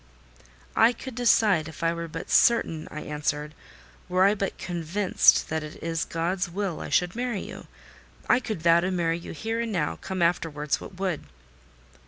"I could decide if I were but certain," I answered: "were I but convinced that it is God's will I should marry you, I could vow to marry you here and now—come afterwards what would!"